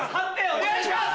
お願いします！